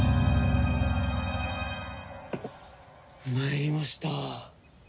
参りました。